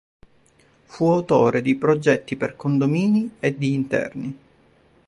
Fu autore di progetti per condomini e di interni.